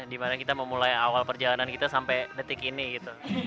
dimana kita memulai awal perjalanan kita sampai detik ini gitu